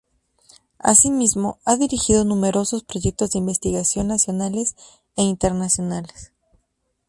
Así mismo, ha dirigido numerosos proyectos de investigación nacionales e internacionales.